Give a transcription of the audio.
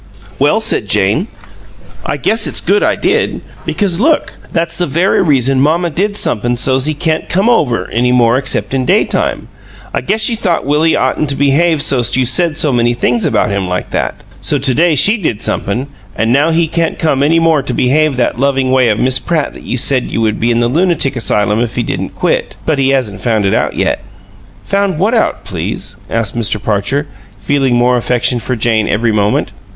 "Well," said Jane, "I guess it's good I did, because look that's the very reason mamma did somep'm so's he can't come any more except in daytime. I guess she thought Willie oughtn't to behave so's't you said so many things about him like that; so to day she did somep'm, an' now he can't come any more to behave that loving way of Miss Pratt that you said you would be in the lunatic asylum if he didn't quit. But he hasn't found it out yet." "Found what out, please?" asked Mr. Parcher, feeling more affection for Jane every moment.